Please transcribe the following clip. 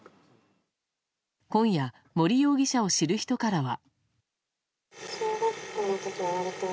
今夜、森容疑者を知る人からは。